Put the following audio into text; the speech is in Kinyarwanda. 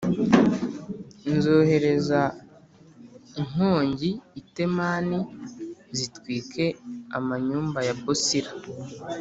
Nzohereza inkongi i Temani zitwike amanyumba ya Bosira.”